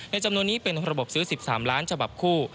จำนวนนี้เป็นระบบซื้อ๑๓ล้านฉบับคู่